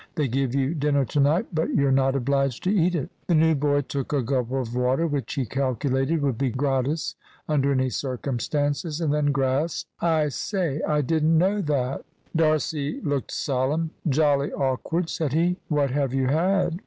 They give you dinner to night, but you're not obliged to eat it." The new boy took a gulp of water, which he calculated would be gratis under any circumstances, and then gasped "I say, I didn't know that." D'Arcy looked solemn. "Jolly awkward," said he; "what have you had?"